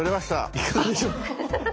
いかがでしょう？